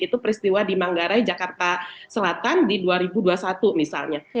itu peristiwa di manggarai jakarta selatan di dua ribu dua puluh satu misalnya